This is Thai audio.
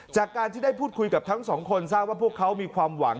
จากการที่ได้พูดคุยกับทั้งสองคนทราบว่าพวกเขามีความหวัง